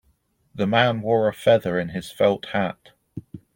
The man wore a feather in his felt hat.